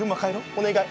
お願い。